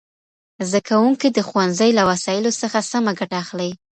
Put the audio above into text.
زدهکوونکي د ښوونځي له وسایلو څخه سمه ګټه اخلي.